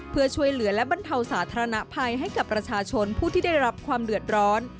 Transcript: เพื่อช่วยเหลือและบรรเทาสาธารณภัยให้กับประชาชนผู้ที่ได้รับความเดือดร้อน